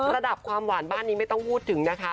ระดับความหวานบ้านนี้ไม่ต้องพูดถึงนะคะ